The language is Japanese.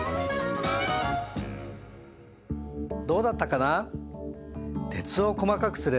どうだったかな？